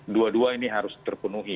dua dua ini harus terpenuhi